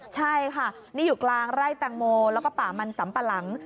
ใช่ค่ะนี่อยู่กลางไร่แตงโมแล้วก็ป่ามันสำปะหลัง